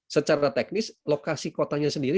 secara teknis lokasi kotanya sendiri